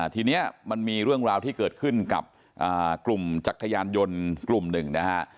ทีนี้มันมีเรื่องราวที่เกิดขึ้นกับกลุ่มจักรยานยนต์กลุ่มหนึ่งนะฮะ